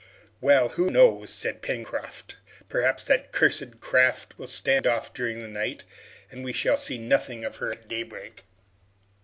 "Well! who knows?" said Pencroft. "Perhaps that cursed craft will stand off during the night, and we shall see nothing of her at daybreak."